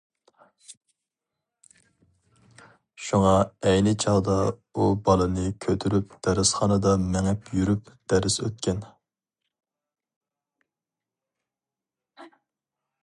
شۇڭا ئەينى چاغدا ئۇ بالىنى كۆتۈرۈپ دەرسخانىدا مېڭىپ يۈرۈپ دەرس ئۆتكەن.